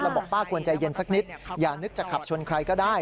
บอกป้าควรใจเย็นสักนิดอย่านึกจะขับชนใครก็ได้